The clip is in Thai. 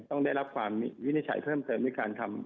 ต้องได้รับวินิจฉัยเพิ่มเติมในการทำ